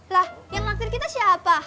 lah yang naktir kita siapa